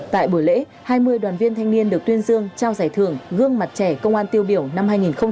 tại buổi lễ hai mươi đoàn viên thanh niên được tuyên dương trao giải thưởng gương mặt trẻ công an tiêu biểu năm hai nghìn hai mươi ba